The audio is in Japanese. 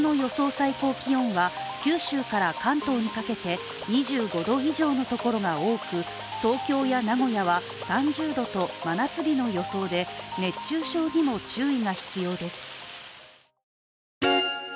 最高気温は九州から関東にかけて２５度以上のところが多く東京や名古屋は３０度と真夏日の予想で、熱中症にも注意が必要です。